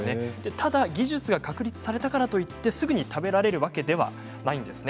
ただ技術が確立されたからといってすぐに食べられるわけではないんですね。